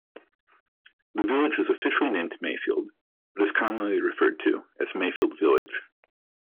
The village is officially named Mayfield, but is commonly referred to as Mayfield Village.